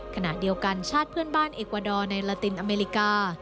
ขณะเดียวกันชาติเพื่อนบ้านเอกวาดอร์ในลาตินอเมริกา